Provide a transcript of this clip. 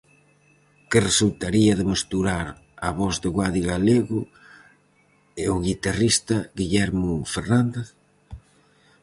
Que resultaría de mesturar a voz de Guadi Galego e o guistarrista Guillermo Fernández?